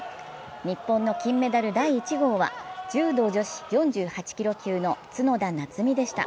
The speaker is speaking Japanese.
日本の金メダル第１号は、柔道女子４８キロ級の角田夏実でした。